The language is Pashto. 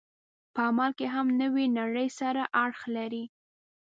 په عمل کې هم د نوې نړۍ سره اړخ لري.